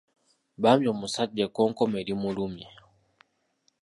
Bambi omusajja ekkokkome limulumye!